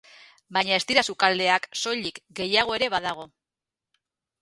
Baina ez dira sukaldeak, soilik, gehiago ere badago.